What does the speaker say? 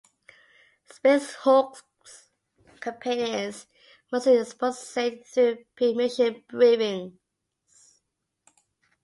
"Space Hulk"s campaign is mostly exposited through pre-mission briefings.